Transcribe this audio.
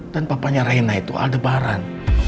dan papanya rena itu aldebaran